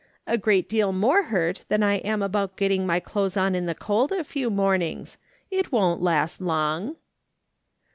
" A great deal more hurt than I am about getting my clothes on in the cold a few mornings ; it won't last long."